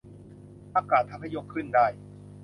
อากาศทำให้ยกขึ้นได้